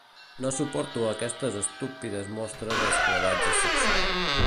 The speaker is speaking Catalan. No suporto aquestes estúpides mostres d'esclavatge sexual.